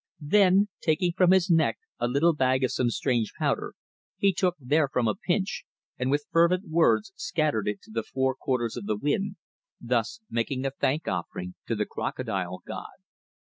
Then, taking from his neck a little bag of some strange powder, he took therefrom a pinch, and with fervent words scattered it to the four quarters of the wind, thus making a thank offering to the Crocodile god.